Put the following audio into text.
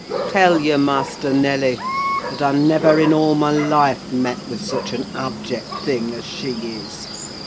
Tell your master, Nelly, that I never, in all my life, met with such an abject thing as she is.